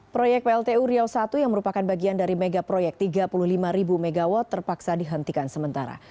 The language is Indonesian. proyek pltu riau i yang merupakan bagian dari megaproyek tiga puluh lima mw terpaksa dihentikan sementara